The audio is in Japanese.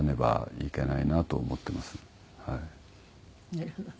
なるほどね。